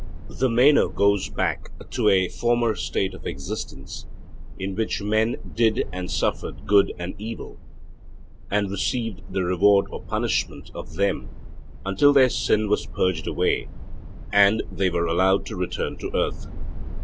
The Meno goes back to a former state of existence, in which men did and suffered good and evil, and received the reward or punishment of them until their sin was purged away and they were allowed to return to earth.